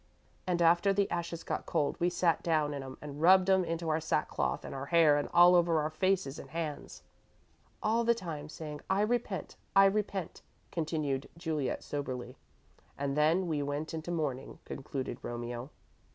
"And after the ashes got cold, we sat down in 'em and rubbed 'em into the sackcloth and our hair and all over our faces and hands." "All the time saying 'I repent! I repent!'" continued Juliet, soberly. "And then we went into mourning," concluded Romeo.